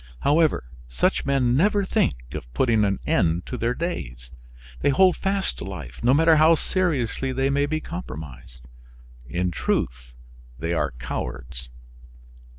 However, such men never think of putting an end to their days. They hold fast to life, no matter how seriously they may be compromised. In truth, they are cowards.